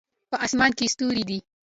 په اسمان کې ستوری ده